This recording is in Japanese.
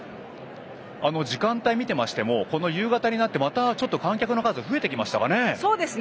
時間帯を見ていましても夕方になってまたちょっと観客の数増えてきましたね。